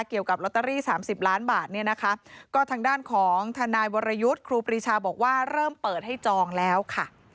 เกี่ยวกับลอตเตอรี่๓๐ล้านบาทเนี่ยนะคะก็ทางด้านของทนายวรยุทธ์ครูปรีชาบอกว่าเริ่มเปิดให้จองแล้วค่ะ